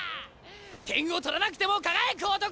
点を取らなくても輝く男！